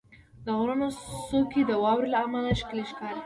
• د غرونو څوکې د واورې له امله ښکلي ښکاري.